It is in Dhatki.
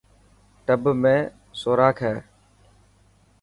ٽب ۾ سوراک هي.